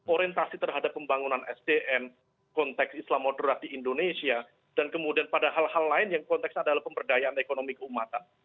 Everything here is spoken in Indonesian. orientasi terhadap pembangunan sdm konteks islam moderat di indonesia dan kemudian pada hal hal lain yang konteks adalah pemberdayaan ekonomi keumatan